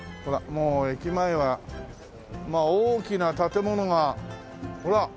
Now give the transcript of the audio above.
もう駅前は大きな建物がほら！